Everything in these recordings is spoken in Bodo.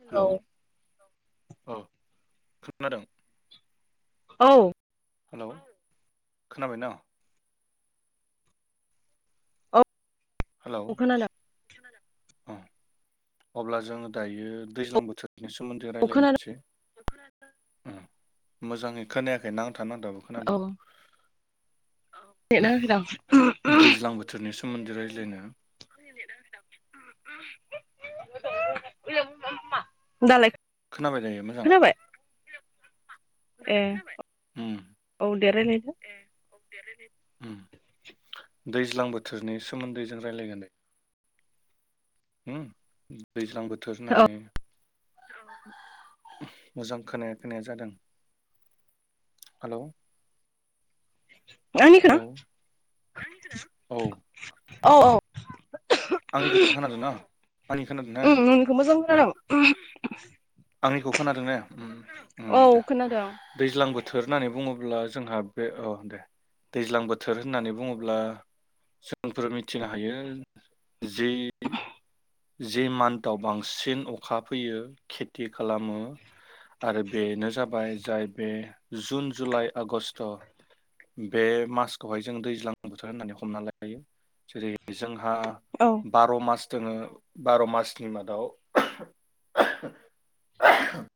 हेलौ अह खोनादों औ खोनाबाय खोनाबायन'? औ हेलौ खोनाला अ अब्ला जोंङो दायो दैज्लां बोथोरनि सोमोन्दै औ खोनादों रायलायनोसै उम मोजांङै खोनायाखै नां था नांथाबो औ खोनादों नेटआ दैज्लां बोथोरनि सोमोन्दै रायज्लायनो [unintelligible] [unintelligible] दालाय खोनाबाय दायो मोजां खोनाबाय ए उम औ दे रायलायदो उम दैज्लां बोथोरनि सोमोन्दै जों रायलायगोन दे हुम दैज्लां बोथोर औ होननानै मोजां खोनाया खोनाया जादों हेलौ आंनिखो ना? हेलौ औ औ आंनिखो खोनादों ना? आंनि खोनादों ना उ नोंनिखौ मोजां खोनादों। [unintelligible] आंनिखौ खोनादों ने? उम उम औ दे खोनादों दैज्लां दैज्लां बोथोर होननानै बुङोब्ला जोंहा बे औ दे दैज्लां बोथोर होननानै बुङोब्ला जोंफोर मिथिनो हायो जि जि मान्थाव बांसिन अखा फैयो खेथि खालामो आरो बेनो जाबाय जाय बे जुन जुलाइ आगषट बे मासखौहाय जों दैज्लां बोथोर होननानै हमना लायो। जेरै जों हा औ बार' मास जोङो बार' मासनि मादाव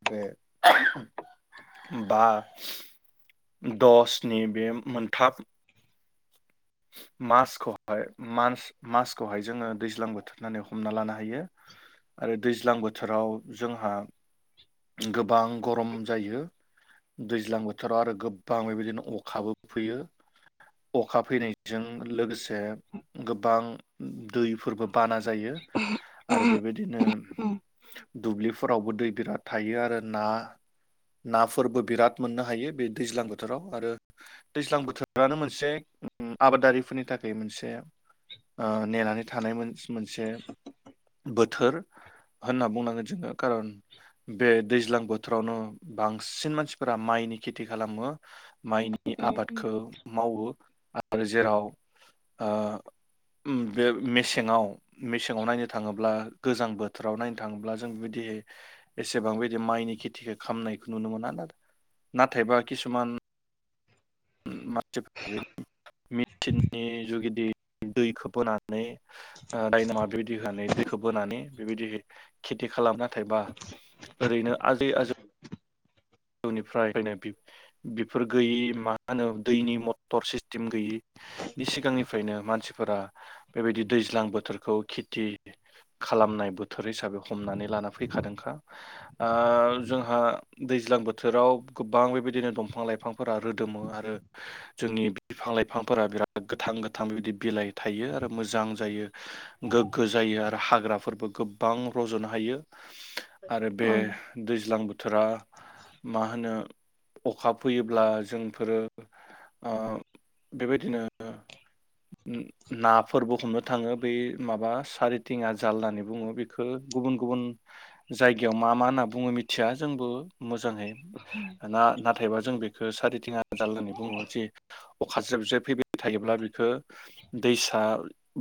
बे बा दसनि बे मोनथाम मासखौहाय मानस मासखौहाय जोङो दैज्लां बोथोर होननानै हमना लानो हायो आरो दैज्लां बोथोराव जोंहा गोबां गरम जायो। दैज्लां बोथोराव आरो गोबां बेबायदिनो अखाबो फैयो अखा फैनायजों लोगोसे गोबां दैफोरबो बाना जायो आरो उम बेबायदिनो उम दुब्लिफोरावबो दै बिराद थायो आरो ना। नाफोरबो बिराद मोननो हायो बे दैज्लां बोथोराव आरो दैज्लां बोथोरानो मोनसे उम आबादारिफोरनि थाखाय मोनसे ओ नेनानै थानाय मोन मोनसे बोथोर होनना बुंनांगोन जोङो कारन बे दैज्लां बोथोरावनो बांसिन मानसिफोरा माइनि खेथि खालामो माइनि नि आबादखौ मावो। आरो जेराव ओ बे मेसेङाव मेसेङाव नायनो थाङोब्ला गोजां बोथोराव नायनो थाङोब्ला जों बिबायदि एसेबां बेबायदि माइनि खेथिखौ खालामनायखौ नुनो मोना नाथाय नाथायबा किसुमान [unintelligible] दैखौ बोना नै दायनमा बेबायदि होनानै दैखौ बोनानै बेबायदि खेथि खालाम नाथायबा ओरैनो आजै आजौ मोननिफ्रायनो बिब बेफोर गैयि मा होनो दैनि मटर सिस्टेम गैयिनि सिगांनिफ्रायनो मानसिफोरा बेबायदि दैज्लां बोथोरखौ खेथि खालामनाय बोथोर हिसाबै हमनानै लाना फैखादोंखा ओ जोंहा दैज्लां बो थोराव गोबां बेबायदिनो दंफां लाइफांफोरा रोदोमो आरो जोंनि बिफां लाइफांफोरा बिराद गोथां गोथां बेबायदि बिलाइ थायो आरो मोजां जायो गोग्गो जायो आरो हाग्राफोरबो गोबां रज'नो हायो आरो बे औ दैज्लां बो थोरा मा होनो अखा फैयोब्ला जोंफोरो ओ बेबायदिनो नाफोरबो हमनो थाङो बै माबा सारिथिंङा जाल होननानै बुङो बेखौ गुबुन गुबुन जायगायाव मा मा होनना बुङो मिथिया जोंबो मोजाङै ना ना थायबा जों बेखौ सारिथिंङा हाजार होननानै बुङो जे अख जेब जेब फैबाय थायोब्ला बेखौ दैसा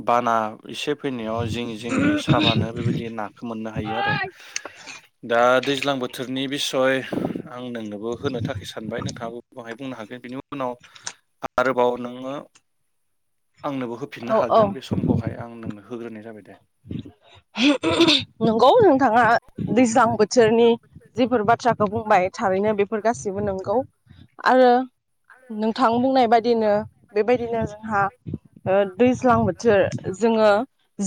बाना एसे फैनायाव जिं जिंहै साबानो बेबायदि नाखौ मोननो हायो आरो दा दैज्लां बोथोरनि बिसय आं नोंनोबो होनो थाखाय सानबाय नोंथाङाबो बाहाय बुंनो हागोन बिनि उनाव आरोबाव नोङो आंनोबो होफिननो औ हागोन बे समखौहाय आं नोंनो होग्रोनाय जाबाय दे। नंगौ नोंथाङा दैज्लां बोथोरनि जेफोर बा थ्राखौ बुंबाय थारैनो बेफोर गाससिबो नंगौ आरो नोंथां बुंनाय बायदिनो बेबायदिनो जोंहा ओ दैज्लां बोथोर जोङो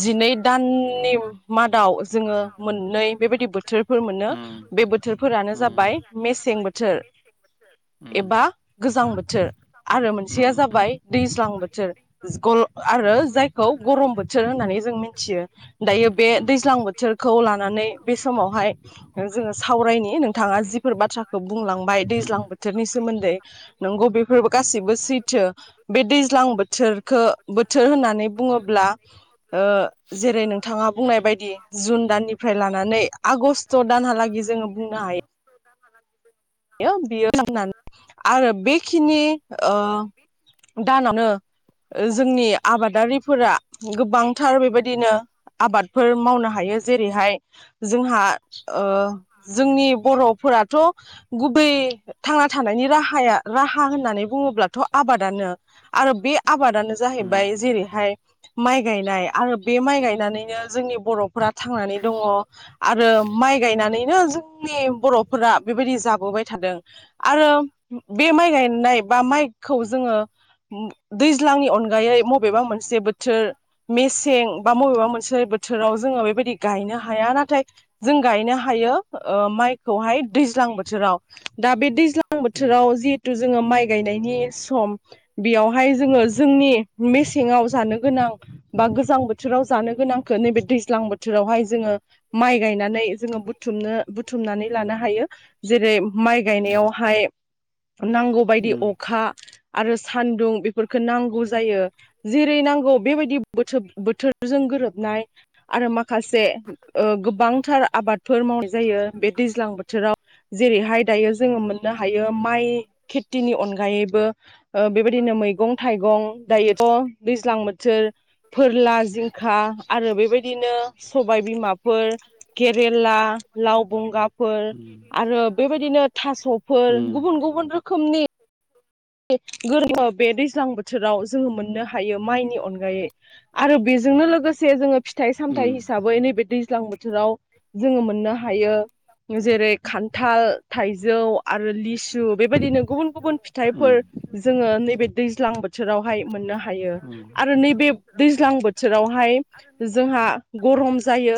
जिनै दाननि मादाव जोङो मोननै बेबायदि बोथोरफोर मोनो बे बोथोरफोर जाबाय मेसें आरो बोथोर एबा गोजां बोथोर आरो मोनसेया जाबाय दैज्लां बोथोर आरो बोथोर जायखौ गरम बोथोर होननानै जों मिथियो। दायो बे दैज्लां बोथोरखौ लानानै बे समावहाय जोङो सावरा नोंथाङा जिफोर बाथ्राखौ बुंलांबाय उम दैज्लां उम बोथोरनि सोमोन्दै नोंगौ बेफोर गासिबो सैथो। बे दैज्लां बोथोरखौ बोथोर होननानै बुङोब्ला ओ जेरै नों बिथाङा बुंनाय बायदि जुन दाननिफ्राय लानानै आगष्ट दानहालागै जों बुंनो उम हायो। उम बियो आरो बेखिनि दानावनो जोंनि आबादारिफोरा गोबांथार बेबायदिनो आबादफोर मावनो हायो जेरैहाय जोंहा ओ जोंनि बर'फोराथ' गुबै थांना थानायनि राहाया राहा होननानै बुङोब्लाथ' आबादानो। आरो बे आबादानो जाहैबाय जेरैहाय माइ गायनाय आरो बे माइ गायनानैनो जोंनि बर'फोरा थांनानै दङ। आरो माइ गायनानै [inaudible] जोंनि बर'फोरा बेबायदि जाब [inaudible] आरो बे माइ गायनाय बा माइखौ जोङो दैज्लांनि अनगायै मबेबा मोनसे बोथोर मेसें बा मबेबा मोनसे बोथोराव जोङो बेबायदि गायनो हाया। नाथाय जों गायनो हायो माइखौहाय दैज्लां बोथ जेराव दा बे दैज्लां बोथोराव जिहेथु जोङो माइ गायनायनि बेयावहाय जोङो जोंनि मेसेंआव जानो गोनां बा गोजां बोथोराव जानो गोनांखौ नैबे दैज्लां बोथोरावहाय जोङो माइ गायनानै जोङो बुथुमनो बुथुमनानै लानो हायो। जेरै माइ गायनायावहाय नांगौबायदि अखा आरो सान्दुं बेफोरखौ नांगौ जायो। जेरै नांगौ बेबायदि बोथोरजों गोरोबनाय आरो माखासे ओ गोबांथार आबादफोर मावनाय जायो बे दैज्लां बोथोराव जेरैहाय दायो जोङो मोननो हायो माइ खेथिनि अनगायै बेबो बेबायदिनो मैगं थाइगं दायोथ' दैज्लां बोथोर फोरला जिंखा आरो बेबायदिनो सबाय बिमाफोर केेरेला लाव बंगाफोर आरो बेबायदिनो थास'फोर गुबुन गुबुन रोखोम नि बे दैज्लां बोथोराव जोङो मोननो हायो माइनि अनगायै आरो बे बेजोंनो लोगोसे जोङो फिथाइ सामथाइ हिसाबै नैबे दैज्लां बोथोर बोथोराव जोङो मोननो हायो जेरै खान्थाल थाइजौ आरो लिसु बेबायदिनो गुबुन गुबुन उम फोर जोङो नैबे दै दैज्लां बोथोरावहाय मोननो हा यो उम आरो नैबे दैज्लां बोथोरावहाय जोंहा गरम जायो।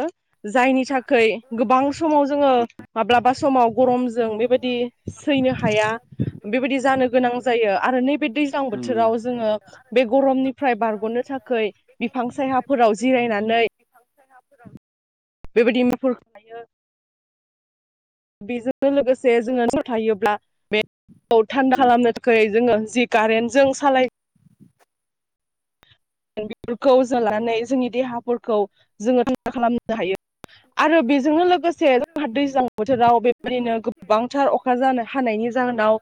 जायनि थाखाय गोबां समाव जोंङो माब्लाबा समाव गरमजों बेबायदि सैनो हाया बेबायदि जानो गोनां जायो आरो नैबे दैज्लां बोथोराव जोंङो बे गरमनिफ्राय बारग'नो थाखाय बिफां सायहाफोराव जिरायनानै - सायहा फोराव बेबायदि [unintelligible] थायो बेजोंनो लोगोसे जोंङो [unintelligible] थायोब्ला बे याव थान्दा खालामनो थाखाय जोंङो जि कारेन्ट जों सालाय दों बेफोरखौ जो लानानै जोंनि देहाफोरखौ जोंङो थांन्दा खालामनो हायो। आरो बेजोंनो लोगोसे जोंहा दैज्लां बोथोराव बेबायदिनो गोबांथार अखा जानो हानायनि जाहोनाव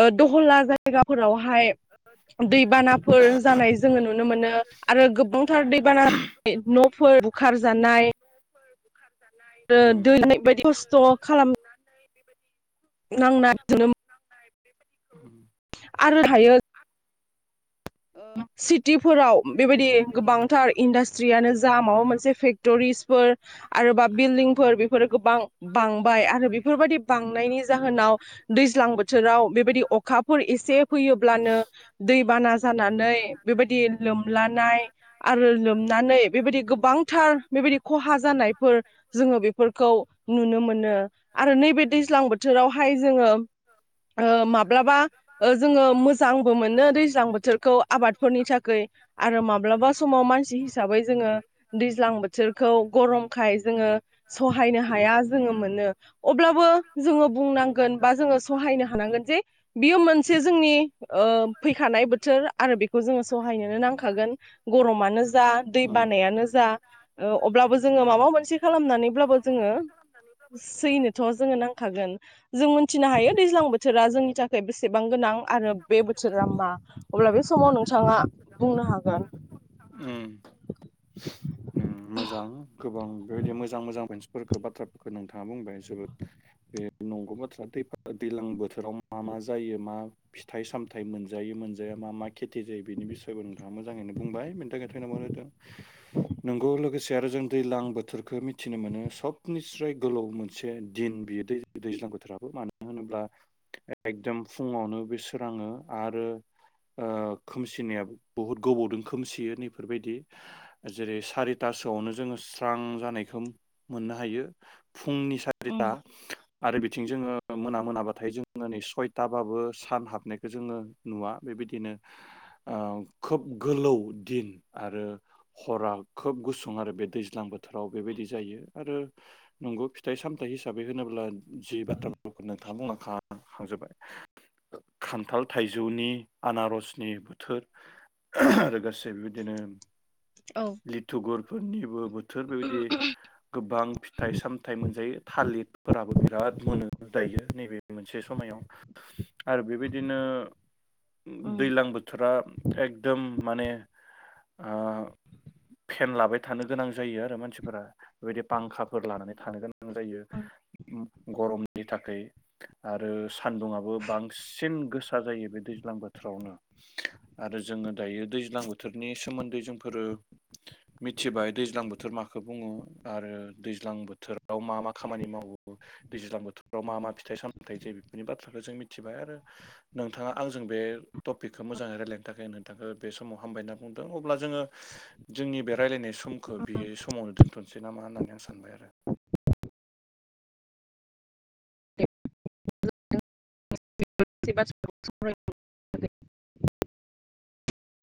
ओ दह'ला जायगाफोरावहाय दैबानाफोर जानाय जोंङो नुनो मोनो, आरो गोबांथार दैबाना न'फोर बुखार जानाय रो दैनाय बायदि खस्थ' खालाम नांना [unintelligible] उम आरो थायो। ओ सिटिफोराव बेबायदि गोबांथार इन्डास्ट्रियानो जा माबा मोनसे फेक टरिसफोर आरोबा बिल्डिंफोर बेफोरो गोबां बांबाय आरो बेफोरबायदि बांनायनि जाहोनाव दैज्लां बोथोराव बेबायदि अखाफोर एसे फैयोब्लानो दैबाना जानानै बेबायदि लोमलानाय आरो लोमनानै बेबायदि गोबां थार बेबायदि खहा जानायफोर जोंङो बेफोरखौ नुनो मोनो। आरो नैबे दैज्लां बोथोरावहाय जोंङो ओ माब्लाबा जोंङो मोजांबो मोनो दैज्लां बोथोर आबादफोरनि थाखाय आरो माब्लाबा समाव मानसि हिसाबै जोंङो दै ज्लां बोथोरखौ गरमखाय जोंङो सहायनो हाया जोंङो मोनो। अब्लाबो जोंङो बुंनांगोन बा जोंङो सहायनो हानांगोन जे बियो मोनसे जोंनि फैखानाय बोथोर आरो बेखौ जोंङो सहायनोनो नांखागोन गरमानो जा दै बानायानो जा ओ अब्लाबो जोंङो माबा मोनसे खालामनानैब्लाबो जोंङो सैनोथ' जोंङो नांखागोन जों मोनथिनो हायो दैज्लां बोथोरा जोंनि थाखाय बेसेबां गोनां आरो बे बोथोरा मा बे समाव नोंथांङा बुंनो हागोन उम उम मोजां गोबां बेबायदि मोजां मोजां पन्सिफोरखौ बाथ्राफोरखौ नोंथांङा बुंबाय जोबोद बे नंगौ बाथ्रा दै दैजलां बोथोराव मा मा जायो मा फिथाइ सामथायाइ मोनजायो मोनजाया मा मा खेथि जायो बेनि बिसयबो नोंथांङा मोजांङैनो बुंबाय बेनि थाखायनो थैनबाद होदों। नोंगौ लोगोसे आरो जों दैज्लां बोथोरखौ मिथिनो मोनो सबनिस्राय गोलाव मोनसे दिन बियो दै दैज्लां बोथोराबो मानो होनोब्ला एकदम फुंङावनो बे सोरांङो आरो ओ खोमसिनायाबो बहुद गोबावदों खोमसियो नैफोरबायदि। जेरै सारिथासोआवनो जोंङो स्रां जानायखौ मोननो हायो। फुंनि उम सारिथा आरो बिथिं जोंङो मोना मोनाबाथाय जोंङो नै सयथाबाबो सान हाबनायखौ जोंङो नुवा बेबायदिनो खोब गोलौ दिन आरो हरा खोब गुसुं आरो बे दैज्लां बोथोराव बेबायदि जायो। आरो नंगौ फिथाइ सामथायाइ हिसाबै होनोब्ला जि बाथ्राफोरखौ नोंथांङा बुंलांखा हांजोबबाय खान्थाल, थाइजौनि आनारसनि बोथोर लोगोसे बेबायदिनो लिथुगुर फोरनिबो बो थोर बेबायदि गोबां फिथाइ सामथाइ मोनजायो। थालिरफोराबो बिराद मोनो दायो। नैबे मोनसे समायाव आरो बेबायदिनो उम दैज्लां बोथोरा एकदम माने ओ फेन लाबाय थानो गोनां जायो आरो मानसिफोरा बेबायदि फांखाफोर लानानै थानो गोनां जायो गरमनि थाखाय आरो सानदुंङाआबो बांसिन गोसा जायो बे दैज्लां बोथोरावनो। आरो जोङो दायो दैज्लां बोथोरनि सोमोन्दै जोंफोरो मिथिबाय दैज्लां बोथोर माखौ बुङो आरो दैज्लां बोथोराव मा मा खामानि मावो दैज्लां बोथोराव मा मा फिथाइ सामथाइ जायो बेफोरनि बाथ्राखौ जों मिथिबाय। आरो नोंथाङा आंजों बे टपिकखौ मोजाङै रायलायनो थाखाय नोंथांखौ बे समाव हामबाय होनना बुंदों। अब्ला जोङो जोंनि बे रायज्लायनाय समखौ बे समावनो दोन्थसै नामा होननानै आं सानबाय आरो? [unintelligible]